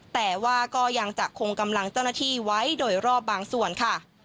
แต่ว่าก็ยังจะคงกำลังเจ้าหน้าที่ไว้โดยรอบบางส่วนค่ะ